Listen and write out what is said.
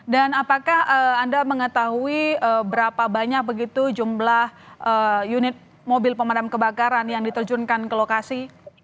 dan apakah anda mengetahui berapa banyak begitu jumlah unit mobil pemadam kebakaran yang diterjunkan ke lokasi